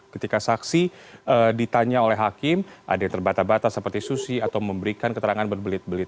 ketika saksi ditanya oleh hakim ada yang terbata bata seperti susi atau memberikan keterangan berbelit belit